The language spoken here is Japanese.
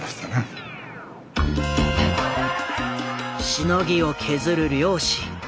しのぎを削る両誌。